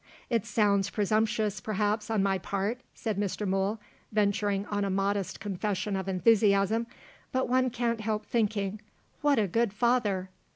It sounds presumptuous, perhaps, on my part," said Mr. Mool, venturing on a modest confession of enthusiasm, "but one can't help thinking, What a good father!